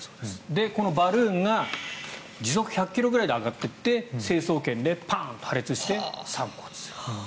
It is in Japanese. で、このバルーンが時速１００ｋｍくらいで上がっていって成層圏でパンと破裂して散骨する。